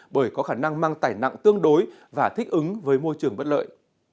bởi có khả năng mang tải nặng tương đối và thích ứng với môi trường bất lợi